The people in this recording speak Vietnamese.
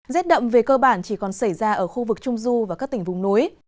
rét đậm về cơ bản chỉ còn xảy ra ở khu vực trung du và các tỉnh vùng núi